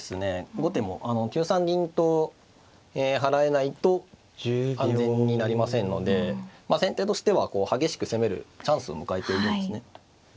後手も９三銀と払えないと安全になりませんので先手としては激しく攻めるチャンスを迎えているんですね。